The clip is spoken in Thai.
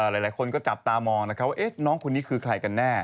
หลายคนก็จับตามองนะครับว่าน้องคนนี้คือใครกันแน่